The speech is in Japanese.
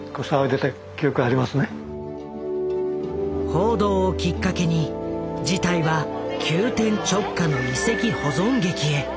報道をきっかけに事態は急転直下の遺跡保存劇へ。